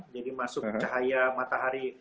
jadi masuk cahaya matahari